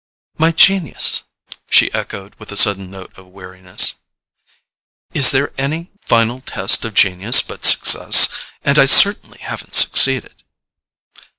"My genius?" she echoed with a sudden note of weariness. "Is there any final test of genius but success? And I certainly haven't succeeded."